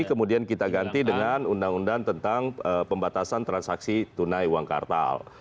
kemudian kita ganti dengan undang undang tentang pembatasan transaksi tunai uang kartal